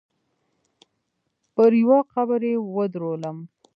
پر يوه قبر يې ودرولم.